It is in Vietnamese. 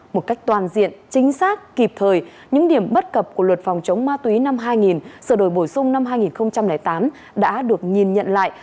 một cách toàn diện chính xác kịp thời những điểm bất cập của luật phòng chống ma túy năm hai nghìn sửa đổi bổ sung năm hai nghìn tám đã được nhìn nhận lại